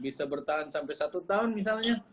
bisa bertahan sampai satu tahun misalnya